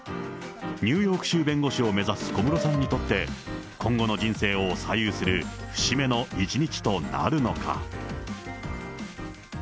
ニューヨーク州弁護士を目指す小室さんにとって、今後の人生を左右する、節目の一日となるのか。